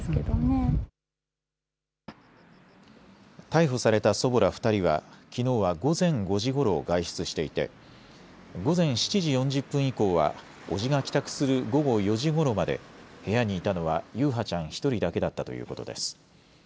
逮捕された祖母ら２人はきのうは午前５時ごろ外出していて午前７時４０分以降はおじが帰宅する午後４時ごろまで部屋にいたのは優陽ちゃん１人だけだったということです。